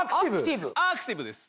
アクティブです。